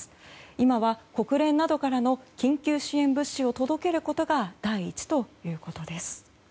今は国連などからの緊急支援物資を届けることが第一ということです。